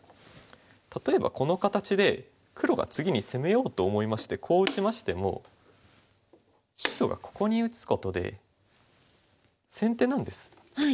例えばこの形で黒が次に攻めようと思いましてこう打ちましても白がここに打つことで先手なんです。